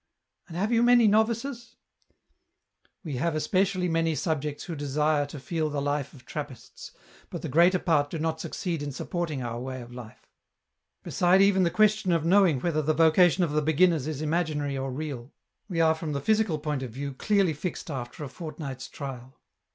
And have you many novices ?"" We have especially many subjects who desire to feel the life of Trappists, but the greater part do not succeed in supporting our way of life. Beside even the question of knowing whether the vocation of the beginners is imaginary f 30O EN ROUTE. or real, we are from the physical point of view clearly fixed after a fortnight's trial."